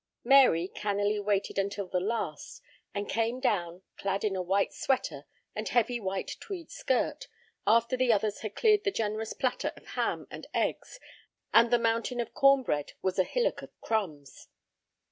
Mary cannily waited until the last, and came down, clad in a white sweater and heavy white tweed skirt, after the others had cleared the generous platter of ham and eggs, and the mountain of corn bread was a hillock of crumbs.